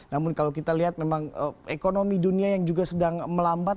namun kalau kita lihat memang ekonomi dunia yang juga sedang melambat